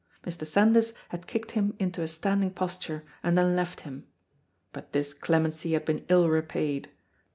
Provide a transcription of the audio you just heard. Mr. Sandys had kicked him into a standing posture and then left him. But this clemency had been ill repaid.